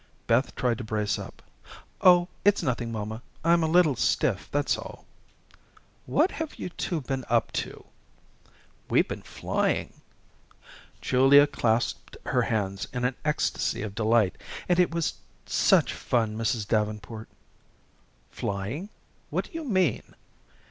Beth tried to brace up. "Oh, it's nothing, mamma. I'm a little stiff, that's all." "What have you two been up to?" "We've been flying." Julia clasped her hands in an ecstasy of delight. "And it was such fun, Mrs. Davenport." "Flying? What do you mean?"